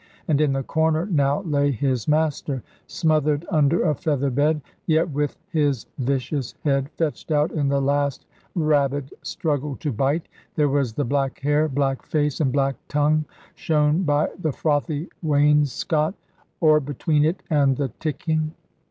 And in the corner now lay his master, smothered under a feather bed; yet with his vicious head fetched out in the last rabid struggle to bite. There was the black hair, black face, and black tongue, shown by the frothy wainscot, or between it and the ticking.